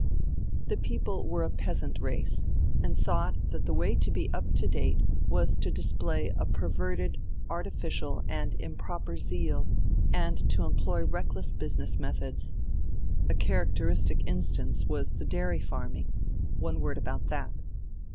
The people were a peasant race, and thought that the way to be up to date was to display a perverted, artificial, and improper zeal and to employ reckless business methods. A characteristic instance was the dairy farming ... one word about that.